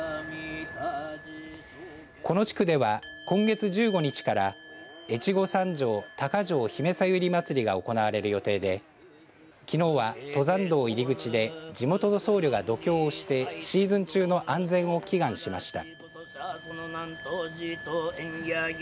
この地区では今月１５日から越後三条・高城ヒメサユリ祭りが行われる予定できのうは、登山道入り口で地元の僧侶が読経をしてシーズン中の安全を祈願しました。